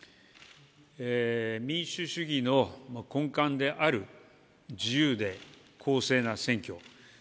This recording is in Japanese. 民主主義の根幹である自由で公正な選挙。